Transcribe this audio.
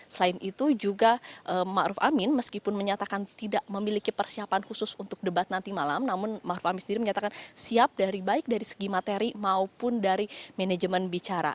selain itu juga ⁇ maruf ⁇ amin meskipun menyatakan tidak memiliki persiapan khusus untuk debat nanti malam namun ⁇ maruf ⁇ amin sendiri menyatakan siap dari baik dari segi materi maupun dari manajemen bicara